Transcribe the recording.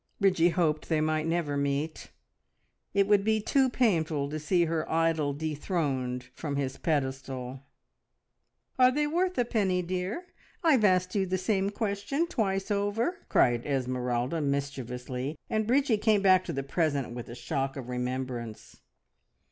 Bridgie hoped they might never meet; it would be too painful to see her idol dethroned from his pedestal. "Are they worth a penny, dear? I've asked you the same question twice over!" cried Esmeralda mischievously, and Bridgie came back to the present with a shock of remembrance.